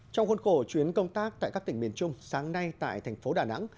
trong khuôn khổ chuyến công tác tại các tỉnh miền trung sáng nay tại thành phố đà nẵng